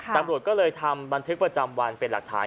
ตำรวจก็เลยทำบันทึกประจำวันเป็นหลักฐาน